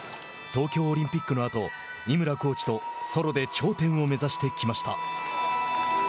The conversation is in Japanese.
東京オリンピックのあと井村コーチとソロで頂点を目指してきました。